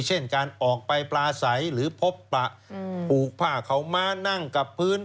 เช่นการออกไปปลาใสหรือพบประผูกผ้าเขาม้านั่งกับพื้น